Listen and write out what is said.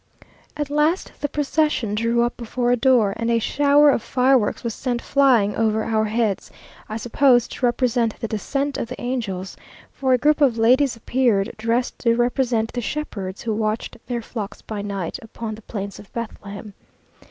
At last the procession drew up before a door, and a shower of fireworks was sent flying over our heads, I suppose to represent the descent of the angels; for a group of ladies appeared, dressed to represent the shepherds who watched their flocks by night upon the plains of Bethlehem.